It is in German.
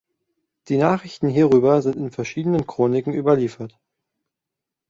Die Nachrichten hierüber sind in verschiedenen Chroniken überliefert.